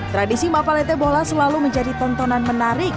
tradisi mapalete bola selalu menjadi tontonan menarik